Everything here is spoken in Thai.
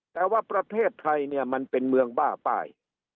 แต่ว่าประเทศไทยเนี่ยมันเป็นเมืองบ้าป้าย